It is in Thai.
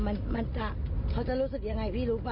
มันจะเขาจะรู้สึกยังไงพี่รู้ป่